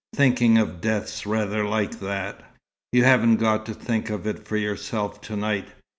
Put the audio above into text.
Thinking of death's rather like that." "You haven't got to think of it for yourself to night.